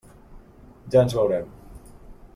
Ja ens veurem.